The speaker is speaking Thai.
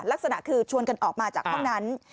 ลักษณะคือชวนกันออกมาจากห้องนั้น